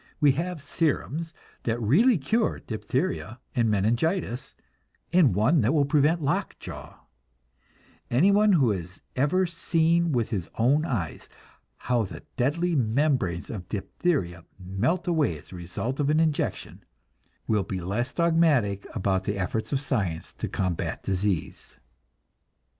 We have serums that really cure diphtheria and meningitis, and one that will prevent lock jaw; anyone who has ever seen with his own eyes how the deadly membranes of diphtheria melt away as a result of an injection, will be less dogmatic about the efforts of science to combat disease.